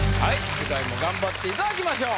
次回も頑張っていただきましょう。